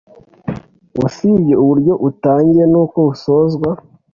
Usibye uburyo utangiye n’uko usozwa,